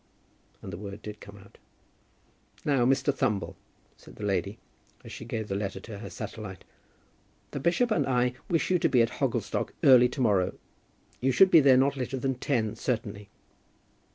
And the word did come out. "Now, Mr. Thumble," said the lady, as she gave the letter to her satellite, "the bishop and I wish you to be at Hogglestock early to morrow. You should be there not later than ten, certainly."